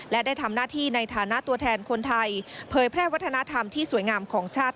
และได้ทำหน้าที่ในฐานะตัวแทนคนไทยเผยแพร่วัฒนธรรมที่สวยงามของชาติ